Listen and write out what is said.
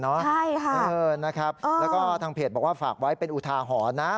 ใช่ค่ะนะครับแล้วก็ทางเพจบอกว่าฝากไว้เป็นอุทาหรณ์นะ